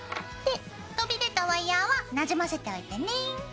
飛び出たワイヤーはなじませておいてね。